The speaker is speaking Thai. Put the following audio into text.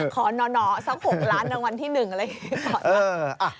ขอนอนอสัก๖ล้านรางวัลที่หนึ่งอะไรกัน